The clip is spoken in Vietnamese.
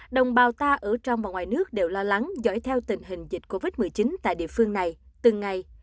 đồng bào ta ở trong và ngoài nước đều lo lắng dõi theo tình hình dịch covid một mươi chín tại địa phương này từng ngày